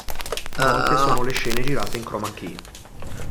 Molte sono le scene girate in chroma key.